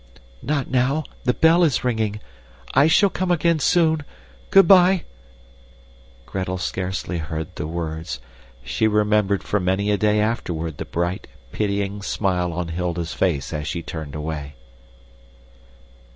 "Not now, the bell is ringing. I shall come again soon. Good bye!" Gretel scarcely heard the words. She remembered for many a day afterward the bright, pitying smile on Hilda's face as she turned away.